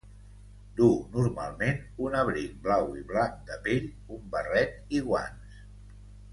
Duu normalment un abric blau i blanc de pell, un barret i guants.